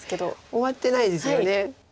終わってないですよね。